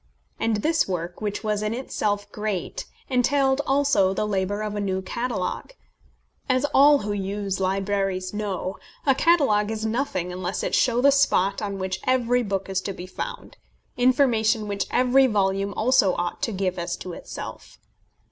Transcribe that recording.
And this work, which was in itself great, entailed also the labour of a new catalogue. As all who use libraries know, a catalogue is nothing unless it show the spot on which every book is to be found, information which every volume also ought to give as to itself.